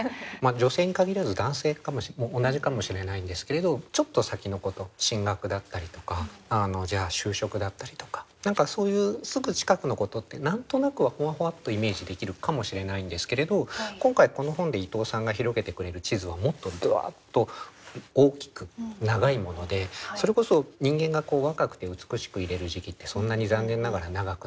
女性に限らず男性も同じかもしれないんですけれどちょっと先のこと進学だったりとかじゃあ就職だったりとか何かそういうすぐ近くのことって何となくはふわふわっとイメージできるかもしれないんですけれど今回この本で伊藤さんが広げてくれる地図はもっとダッと大きく長いものでそれこそ人間が若くて美しくいれる時期ってそんなに残念ながら長くない。